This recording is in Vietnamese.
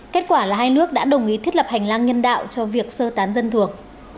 kết quả là hai nước đã đồng ý thiết lập hành lang nhân đạo cho việc sơ tán dân thuộc